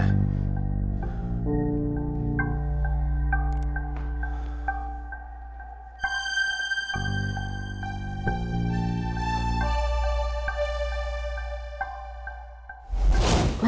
dan laporin saya perkembangannya gimana